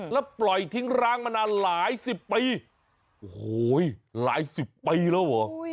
แล้วปล่อยทิ้งร้างมานานหลายสิบปีโอ้โหหลายสิบปีแล้วเหรอ